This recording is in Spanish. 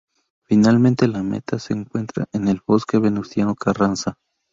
Finalmente la meta se encuentra en el Bosque Venustiano Carranza.